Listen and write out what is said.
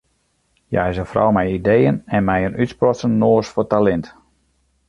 Hja is in frou mei ideeën en mei in útsprutsen noas foar talint.